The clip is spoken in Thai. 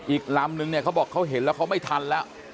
อีกลำนึงเนี่ยเขาบอกเขาเห็นแล้วเขาไม่ทันแล้ว